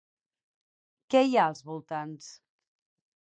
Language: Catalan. Què hi ha als voltants?